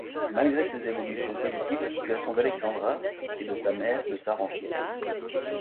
Malgré ces évolutions positives, la situation d’Alexandra et de sa mère ne s’arrange guère.